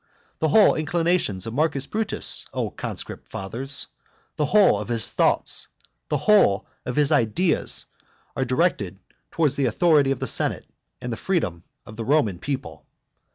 The whole inclinations of Marcus Brutus, O conscript fathers, the whole of his thoughts, the whole of his ideas, are directed towards the authority of the senate and the freedom of the Roman people.